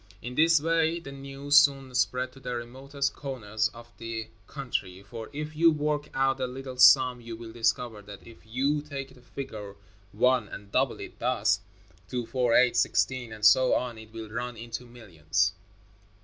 In this way the news soon spread to the remotest corners of the country, for if you work out a little sum you will discover that if you take the figure one and double it thus: two, four, eight, sixteen, and so on, it will run into millions.